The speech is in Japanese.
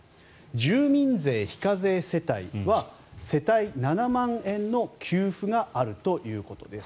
住民税非課税世帯は世帯７万円の給付があるということです。